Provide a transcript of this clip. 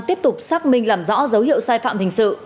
tiếp tục xác minh làm rõ dấu hiệu sai phạm hình sự